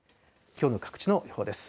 きょうの各地の予報です。